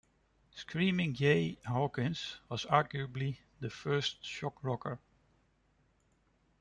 Screamin' Jay Hawkins was arguably the first shock rocker.